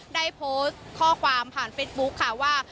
ได้โพสต์ข้อความผ่านเฟซบุ๊คค่ะว่า